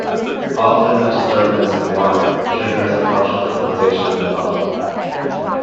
Often a disturbance in one triggers a partial compensation in the other.